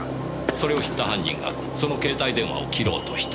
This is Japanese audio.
それを知った犯人がその携帯電話を切ろうとした。